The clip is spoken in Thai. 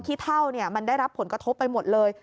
ขี้เท่ามันได้รับผลกระทบไปหมดเลย